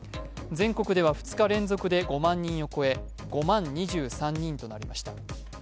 全国では２日連続で５万人を超え、５万２３人となりました。